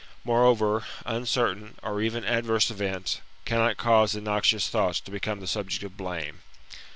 Moreover, uncertain, or even adverse events, cannot cause innoxious thoughts to become the subject of blame.